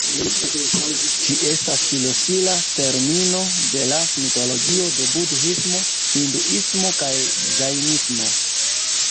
Ĝi estas ŝlosila termino de las mitologio de budhismo, hinduismo kaj ĝajnismo.